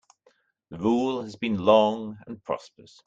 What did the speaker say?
The rule has been long and prosperous.